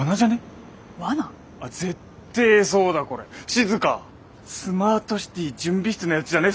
静スマートシティ準備室のやつじゃね？